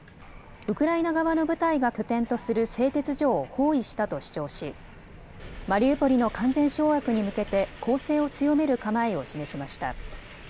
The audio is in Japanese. ウクライナ側の部隊が拠点とする製鉄所を包囲したと主張しマリウポリの完全掌握に向けて攻勢を強める構えを示しました。